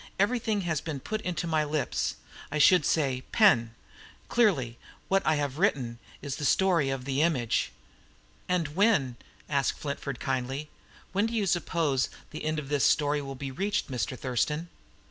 Everything has been put into my lips I should say, pen. Clearly, what I have written is the story of the image." "And when," asked Flintford kindly, "when do you suppose the end of this story will be reached, Mr. Thurston?"